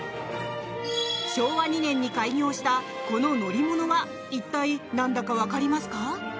昭和２年に開業したこの乗り物は一体何だか分かりますか？